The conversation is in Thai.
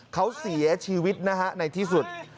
เขาเสียชีวิตนะฮะในที่สุด